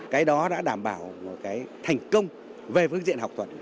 cái đó đã đảm bảo một cái thành công về phương diện học thuật